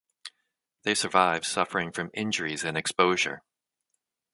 They survived, suffering from injuries and exposure.